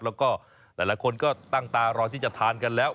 แล้วก็หลายคนก็ตั้งตารอที่จะทานกันแล้ว